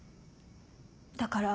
だから？